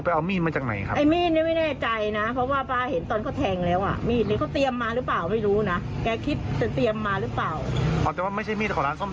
พยานฟังสมรรดี